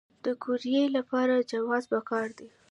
د قوریې لپاره جواز پکار دی؟